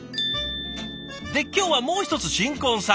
で今日はもう一つ新婚さん。